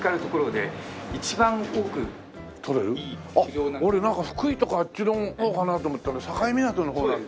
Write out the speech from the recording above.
俺なんか福井とかあっちの方かなと思ったら境港の方なんだ？